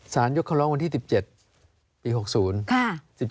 สารยกคำลองวันที่๑๗ปี๖๐